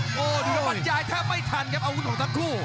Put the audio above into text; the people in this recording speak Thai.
โอ้โหดูครับบรรยายแทบไม่ทันครับอาวุธของทั้งคู่